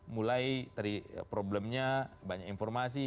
mulai dari problemnya banyak informasi